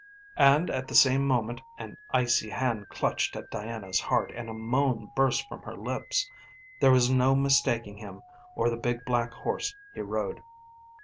And at the same moment an icy hand clutched at Diana's heart and a moan burst from her lips. There was no mistaking him or the big black horse he rode.